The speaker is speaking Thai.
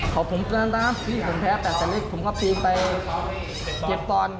ขอผมเกินต่อครับนี่ผมแพ้แต่สักนิดผมก็ปีนไปเก็บป่อน